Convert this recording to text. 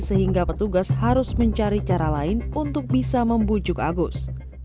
sehingga petugas harus mencari cara lain untuk bisa membujuk agus